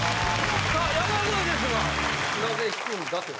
さあ山添ですがなぜひくんだという。